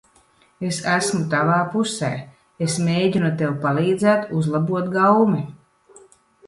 Es esmu tavā pusē. Es mēģinu tev palīdzēt uzlabot gaumi.